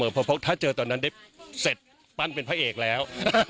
พอพบเจอตอนนั้นได้เสร็จปั้นไปเป็นพระเอกแล้ว